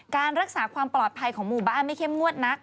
การรักษาความปลอดภัยของหมู่บ้านไม่เข้มงวดนัก